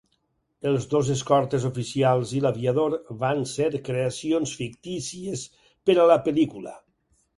Els dos escortes oficials i l'aviador van ser creacions fictícies per a la pel·lícula.